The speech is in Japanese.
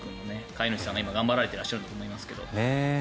飼い主さんが今、頑張られているんだと思いますけど。